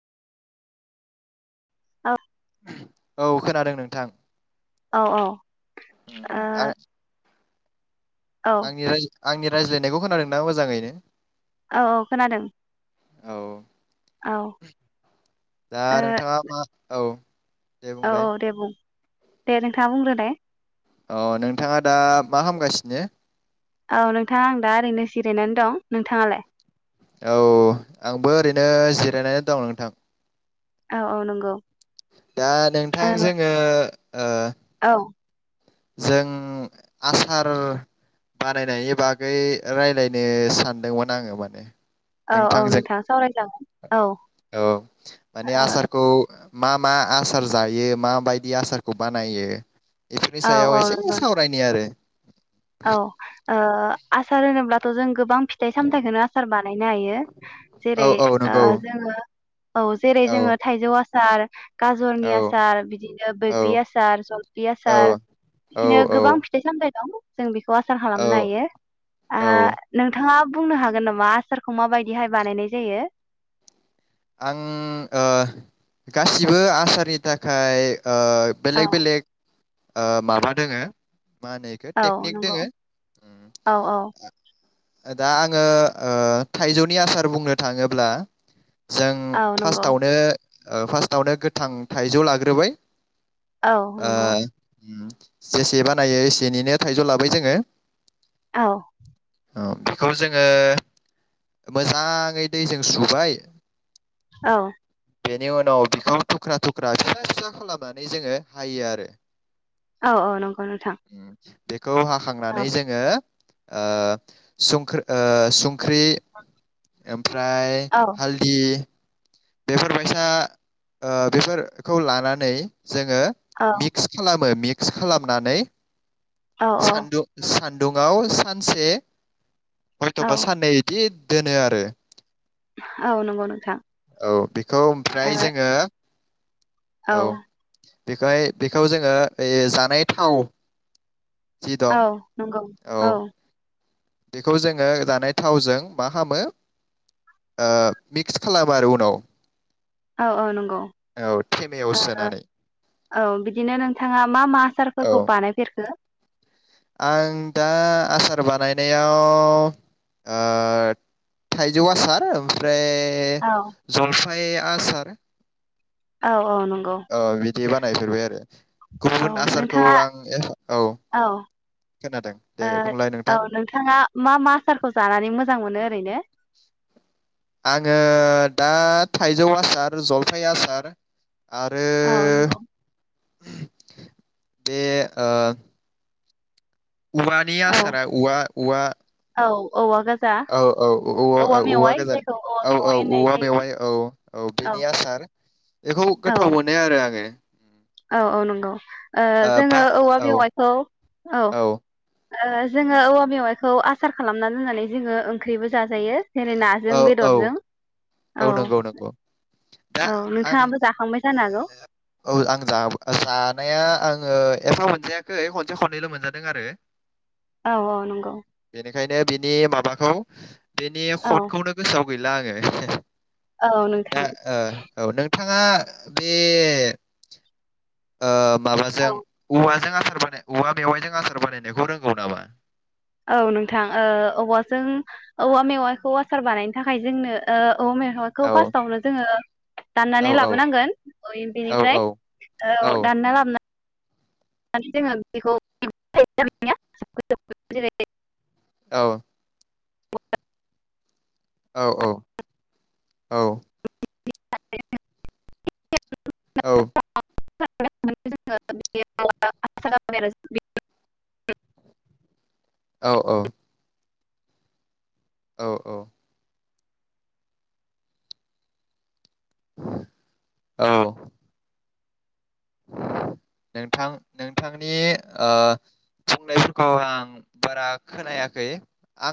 औ औ खोनादों नोंथां औ ओ औ आंनि राय आंनि रायज्लायनायखौ खोनादोंना मोजाङैनो? औ औ खोनादों औ औ ओ दा नोंथाङा मा औ दे औ औ बुंलाय दे बुं दे नोंथाङा बुंग्रो लाय अ नोंथाङा दा मा खामगासिनो? औ नोंथाङा आं दा ओरैनो जिरायनानै दं नोंथाङालाय? औ आंबो ओरैनो जिरायनानै दं नोंथां। औ औ नंगौ दा नोंथां ओ जोङो ओ औ जों आसार बानायनायनि बागै रायलायनो सानदोंमोन आङो माने औ औ नोंथांजों नोंथां सावरायजागोन औ ओ औ माने आसारखौ मा मा आसार जायो माबायदि आसारखौ बानायो? नि औ सायाव औ एसे नंगौ नोंथां सावरायनाय आरो औ ओ आसार होनोब्ला जों गोबां फिथाइ सामथाइखौनो आसार बानायनो हायो औ जेरै औ ओ नंगौ जोङो औ जेरै जोङो थाइजौ आसार सार औ गाजरनि आसार बिदिनो औ बैग्रि आसार जलफि औ आसार बिदिनो औ गोबां फिथाइ सामथायाइ दं जों बेखौ खौ आसार औ खालामनो हायो आं नोंथाङा बुंनो हागोन नामा आसारखौ माबायदिहाय बानायनाय जायो आं ओ गासिबो आसारनि थाखाय ओ औ बेलेग बेलेग ओ माबा दोङो मा होनो बेखौ औ टेकनिक नंगौ दोङो औ औ दा आङो ओ थाइजौनि आसार बुंनो थाङोब्ला जों औ नंगौ फार्स्टआवनो ओ फार्स्टआवनो गोथां थाइजौ लाग्रोबाय औ ओ नंगौ जेसे बानायो एसेनैनो थाइजौ लाबाय जोङो औ औ बेखौ जोङो मोजाङै दैजों सुबाय औ बेनि उनाव बिखौ थुख्रा थुख्रा फिसा फिसा खालामनानै जोङो हायो आरो औ औ नंगौ नोंथां खौ हाखांनानै औ जोङो ओ सुंख्रै ख्रि ओमफ्राय औ [unintelligible] बेफोरबायसा ओ बेफोरखौ लानानै जोङो औ मिक्स खालामो मिक्स मिक्स खालामनानै औ सान्दु सान दुङाव सानसे हयथ' बा औ साननै इदि दोनो आरो औ नंगौ नोंथां औ बेखौ ओमफ्राय जोङो औ बेखौहाय बेखौ जोङो ओइ जानाय थाव जि औ दं नंगो औ औ बेखौ जोङो जानाय थावजों मा खामो मिक्स खालामो आरो उनाव औ औ नंगौ औ थेमायाव ओ सोनानै औ बिदिनो नोंथाङा मा मा औ आसारफोरखौ बानायफेरखो आं दा आसार बानायनायाव ओ थाइजौ आसार ओमफ्राय ए औ जलफ फाय आसार औ औ नं गौ औ बिदि बानायफेरबाय आरो औ गुबुन आसारखौ नोंथाङा आं औ ओ खोनादों दे बुंलाय नोंथां औ नोंथाङा मा मा आसारखौ जानानै मोजां मोनो ओरैनो आङो दा थाइजौ आसार जलफि आसार आरो औ नंगौ बे ओ औवानि औ आसारा औवा औवा औ औवा गाजा औ-औ-अ-आ-औ-औ औवा मेवाइ गोजान जायखौ औवा औ औ मेवाइ होननाय औवा जायो मेवाइ औ औ बिनि आसार बेखौ औ गोथाव मोनो आरो आङो औ औ नंगौ ओ बा जोङो औवा औ बेवाइखौ औ ओ जोङो औवा मेवाइखौ आसार खालामना दोन्नानै जोङो ओंख्रिबो जा जायो जेरै औ नाजों औ बेदरजों औ नंगौ नंगौ दा औ आं नोंथाङाबो जाखांबाय जानो हागौ औ आं [unintelligible] जानाया आं ओ एफा मोनजायाखै खनसे खननैल' मोनजादों आरो औ औ नंगौ बेखायनो बिनि माबाखौ बेनि औ खटखौनो गोसोआव गैला आङो औ दा नोंथां [unintelligible] नोंथाङा बे ओ माबाजों औ औवाजों आसार थारमाने औवा मेवाइजों आसार बानायनायखौ रोंगौ नामा औ नोंथां ओ औवाजों औवा मेवाखौ आसार बानायनो थाखाय जोंनो ओ औवा मेवायखौ औ फार्स्टआवनो जोङो औ दाननानै लाबोनांगोन औ बेनिफ्राय औ दानना लाबोना माने जोङो बेखौ औ औ औ औ [unintelligible] औ [unintelligible] औ औ औ औ औ नोंथां नोंथांनि ओ बुंनायफोरखौ आं बारा खोनायाखै आं